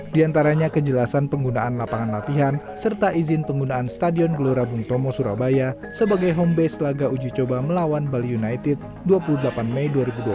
di antaranya kejelasan penggunaan lapangan latihan serta izin penggunaan stadion gelora bung tomo surabaya sebagai home base laga uji coba melawan bali united dua puluh delapan mei dua ribu dua puluh